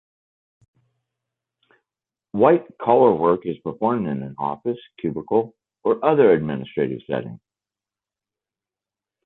White-collar work is performed in an office, cubicle, or other administrative setting.